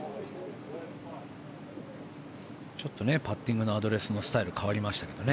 ちょっとパッティングのアドレスのスタイル変わりましたけどね。